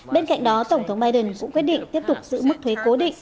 bên cạnh đó tổng thống biden cũng quyết định tiếp tục giữ mức thuế cố định